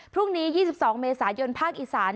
พรุ่งนี้๒๒เมษายนภาคอีสาน